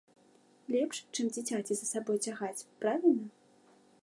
Лепш, чым дзіцяці за сабой цягаць, правільна?